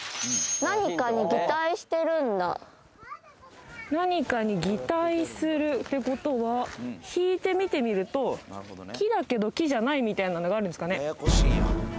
何かに擬態してるんだ何かに擬態するってことは引いて見てみると木だけど木じゃないみたいなのがあるんですかね